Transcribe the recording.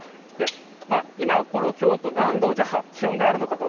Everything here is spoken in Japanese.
今、京都、何度、じゃあ気温があるのかと。